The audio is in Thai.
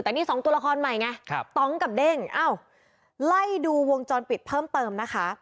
แต่นี่๒ตัวละครใหม่ไงตองกับเด้งไล่ดูวงจรปิดเพิ่มนะคะ